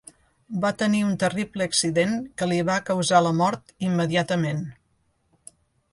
Va tenir un terrible accident que li va causar la mort immediatament.